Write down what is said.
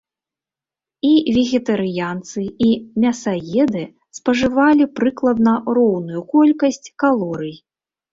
І вегетарыянцы, і мясаеды спажывалі прыкладна роўную колькасць калорый.